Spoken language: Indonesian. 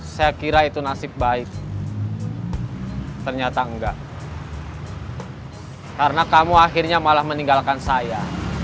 saya kira itu nasib baik ternyata enggak karena kamu akhirnya malah meninggalkan saya